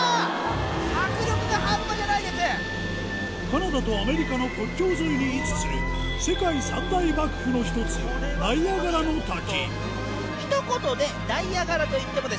カナダとアメリカの国境沿いに位置する世界三大瀑布の１つナイアガラの滝